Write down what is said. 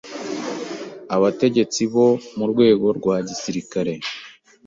abategetsi bo mu rwego rwa gisirikare